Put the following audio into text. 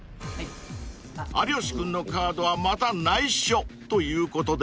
［有吉君のカードはまた内緒ということで］